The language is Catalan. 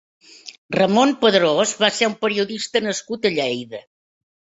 Ramón Pedrós va ser un periodista nascut a Lleida.